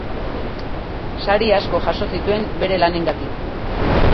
Sari asko jaso zituen bere lanengatik.